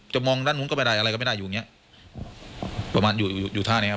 มองด้านนู้นก็ไม่ได้อะไรก็ไม่ได้อยู่อย่างเงี้ยประมาณอยู่อยู่ท่านี้ครับ